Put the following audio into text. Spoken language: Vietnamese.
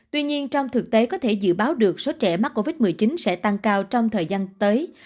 tuy nhiên trong thực tế có thể dự báo được số trẻ mắc covid một mươi chín sẽ tăng cao trong thời gian tới